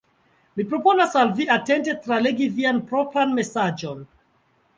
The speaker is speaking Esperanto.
Mi proponas al vi atente tralegi vian propran mesaĝon.